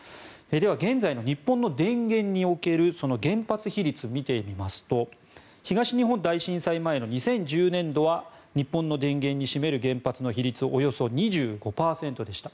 では、現在の日本の電源における原発比率を見てみますと東日本大震災前の２０１０年度は日本の電源に占める原発の比率およそ２５％でした。